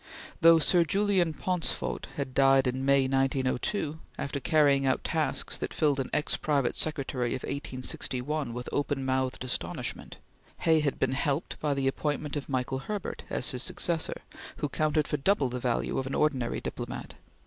Though Sir Julian Pauncefote had died in May, 1902, after carrying out tasks that filled an ex private secretary of 1861 with open mouthed astonishment, Hay had been helped by the appointment of Michael Herbert as his successor, who counted for double the value of an ordinary diplomat.